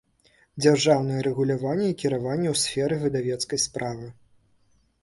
ДЗЯРЖАЎНАЕ РЭГУЛЯВАННЕ I КIРАВАННЕ Ў СФЕРЫ ВЫДАВЕЦКАЙ СПРАВЫ